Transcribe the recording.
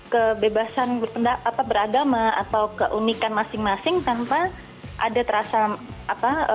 kebebasan beragama atau keunikan masing masing tanpa ada terasa apa